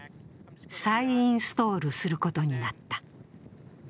再インストールすることになった。